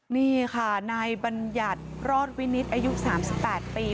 นี่ค่ะนายบัญญัติรอดวินิตอายุ๓๘ปี